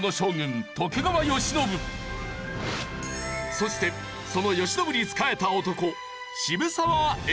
そしてその慶喜に仕えた男渋沢栄一。